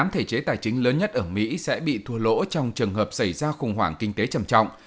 một mươi thể chế tài chính lớn nhất ở mỹ sẽ bị thua lỗ trong trường hợp xảy ra khủng hoảng kinh tế trầm trọng